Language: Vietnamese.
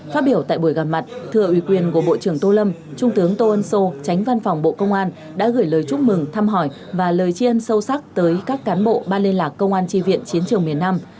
phát biểu tại buổi gặp mặt thưa uy quyền của bộ trưởng tô lâm trung tướng tô ân sô tránh văn phòng bộ công an đã gửi lời chúc mừng thăm hỏi và lời chiên sâu sắc tới các cán bộ ban liên lạc công an tri viện chiến trường miền nam